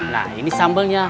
nah ini sambelnya